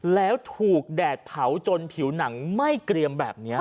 แล้วถูกแดดเผาจนผิวหนังไหม้เกรียมแบบนี้